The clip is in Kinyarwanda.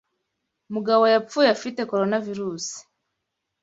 Mugabo yapfuye afite Coronavirusi.